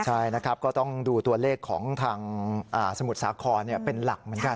ใช่นะครับก็ต้องดูตัวเลขของทางสมุทรสาครเป็นหลักเหมือนกัน